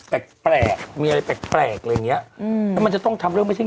แปลกแปลกมีอะไรแปลกแปลกอะไรอย่างเงี้ยอืมแล้วมันจะต้องทำเรื่องไม่ใช่